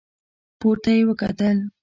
پورته يې وکتل.